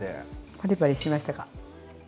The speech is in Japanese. パリパリしてましたか？